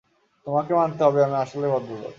তোমাকে মানতে হবে আমি আসলেই ভদ্রলোক।